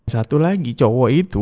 satu lagi cowok itu